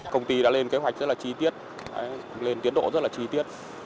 công ty đã lên kế hoạch rất là chi tiết lên tiến độ rất là chi tiết